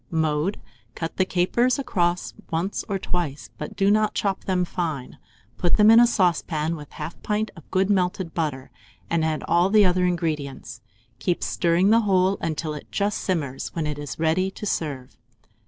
Mode. Cut the capers across once or twice, but do not chop them fine; put them in a saucepan with 1/2 pint of good melted butter, and add all the other ingredients. Keep stirring the whole until it just simmers, when it is ready to serve.